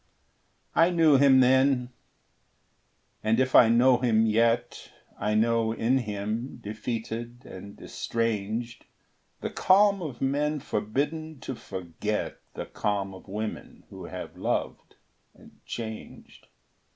I knew him then, and if I know him yet, I know in him, defeated and estranged, The calm of men forbidden to forget The calm of women who have loved and changed.